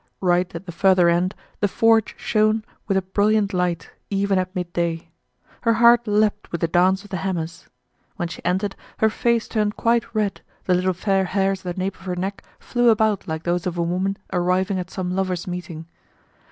Right at the further end the forge shone with a brilliant light, even at mid day. Her heart leapt with the dance of the hammers. When she entered, her face turned quite red, the little fair hairs at the nape of her neck flew about like those of a woman arriving at some lovers' meeting.